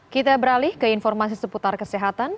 kita beralih ke informasi seputar kesehatan